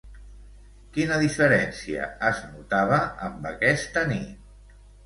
Quina diferència es notava amb aquesta nit?